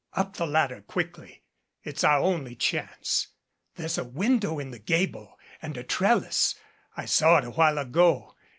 "Up the ladder quickly! It's our only chance. There's a window in the gable and a trellis. I saw it a while ago.